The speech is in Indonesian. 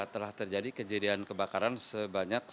telah terjadi kejadian kebakaran sebanyak satu ratus sembilan